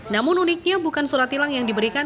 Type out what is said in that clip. namun uniknya bukan surat tilang yang diberikan